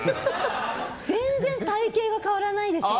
全然体形が変わらないでしょ